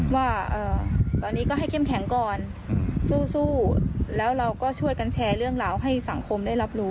ว่าตอนนี้ก็ให้เข้มแข็งก่อนสู้แล้วเราก็ช่วยกันแชร์เรื่องราวให้สังคมได้รับรู้